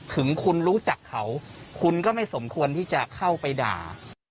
ถึงคุณรู้จักเขาคุณก็ไม่สมควรที่จะเข้าไปด่า